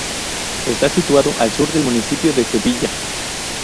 Está situado al sur del municipio de Sevilla.